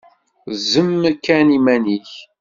Zzem kan iman-ik!